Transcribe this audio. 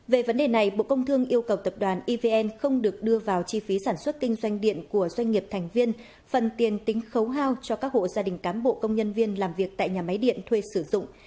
về vấn đề này bộ công thương yêu cầu tập đoàn evn không được đưa vào chi phí sản xuất kinh doanh điện của doanh nghiệp thành viên phần tiền tính khấu hao cho các hộ gia đình cám bộ công nhân viên làm việc tại nhà máy điện thuê sử dụng